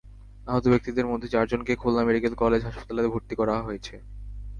আহত ব্যক্তিদের মধ্যে চারজনকে খুলনা মেডিকেল কলেজ হাসপাতালে ভর্তি করা হয়েছে।